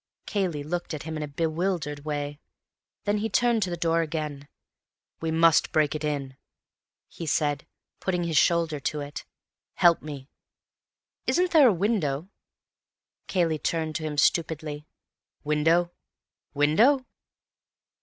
Cayley looked at him in a bewildered way. Then he turned to the door again. "We must break it in," he said, putting his shoulder to it. "Help me." "Isn't there a window?" Cayley turned to him stupidly. "Window? Window?"